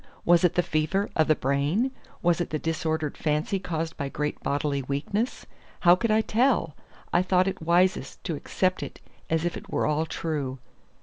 Was it the fever of the brain? Was it the disordered fancy caused by great bodily weakness? How could I tell? I thought it wisest to accept it as if it were all true.